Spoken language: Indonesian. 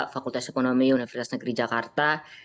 fakultas ekonomi universitas negeri jakarta